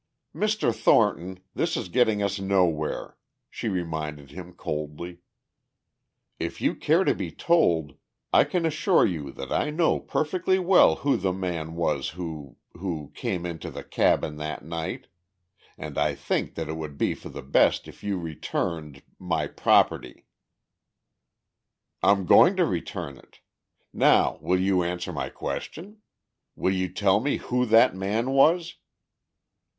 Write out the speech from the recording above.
"Mr. Thornton, this is getting us nowhere," she reminded him coldly. "If you care to be told I can assure you that I know perfectly well who the man was who ... who came into the cabin that night. And I think that it would be for the best if you returned ... my property!" "I'm going to return it. Now, will you answer my question? Will you tell me who that man was?"